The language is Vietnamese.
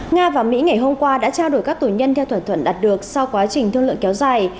nga và mỹ ngày hôm qua đã trao đổi các tù nhân theo thỏa thuận đạt được sau quá trình thương lượng kéo dài